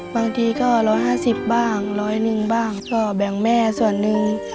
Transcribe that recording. บางทีก็๑๕๐บ้างร้อยหนึ่งบ้างก็แบ่งแม่ส่วนหนึ่ง